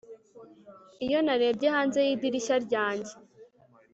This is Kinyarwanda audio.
iyo narebye hanze yidirishya ryanjye